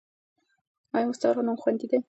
ایا مستعار نوم خوندي دی؟